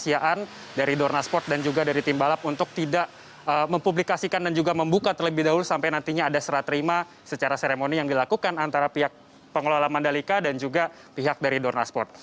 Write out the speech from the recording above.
jadi saya juga ingin meminta pemerintah dari dornasport dan juga dari tim balap untuk tidak mempublikasikan dan juga membuka terlebih dahulu sampai nantinya ada serat terima secara seremoni yang dilakukan antara pihak pengelola mandalika dan juga pihak dari dornasport